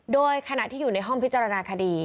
โดยขณะที่อยู่ในห้องพิจารณาคดี